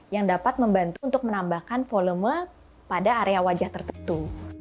yang dapat membantu untuk menambahkan volume pada area wajah tertentu